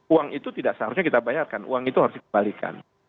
uang itu tidak seharusnya kita bayarkan uang itu harus dikembalikan